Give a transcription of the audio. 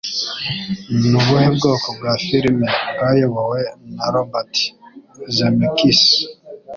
Ni ubuhe bwoko bwa Filime bwayobowe na Robert Zemeckis?